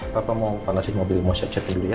papa mau panasin mobil mau siap siapin dulu ya